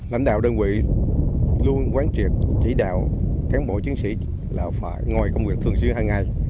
lãnh đạo đơn vị luôn quán triệt chỉ đạo cán bộ chiến sĩ là phải ngồi công việc thường xuyên hàng ngày